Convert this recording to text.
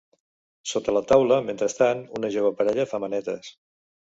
Sota la taula, mentrestant, una jove parella fa manetes.